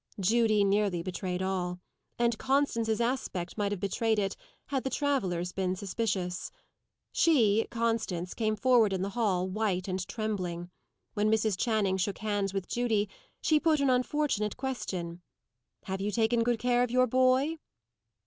Judy nearly betrayed all; and Constance's aspect might have betrayed it, had the travellers been suspicious. She, Constance, came forward in the hall, white and trembling. When Mrs. Channing shook hands with Judy, she put an unfortunate question "Have you taken good care of your boy?"